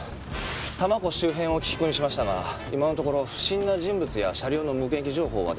多摩湖周辺を聞き込みしましたが今のところ不審な人物や車両の目撃情報は出てきていません。